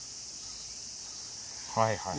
はいはい。